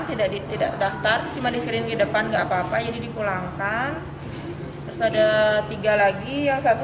tidak ditidak daftar cuma diskrin ke depan enggak apa apa ini dipulangkan ada tiga lagi yang satu